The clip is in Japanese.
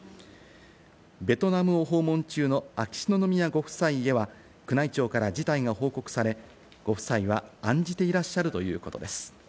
ベトナムを訪問中の秋篠宮ご夫妻へは、宮内庁から事態が報告され、ご夫妻は案じていらっしゃるということです。